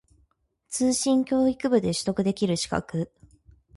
通信教育部で取得できる資格